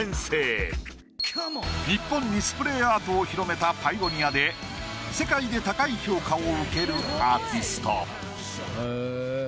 日本にスプレーアートを広めたパイオニアで世界で高い評価を受けるアーティスト。